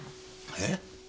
えっ！？